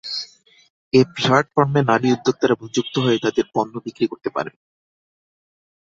এ প্ল্যাটফর্মে নারী উদ্যোক্তারা যুক্ত হয়ে তাদের পণ্য বিক্রি করতে পারেন।